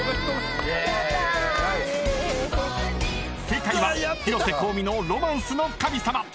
［正解は広瀬香美の『ロマンスの神様』］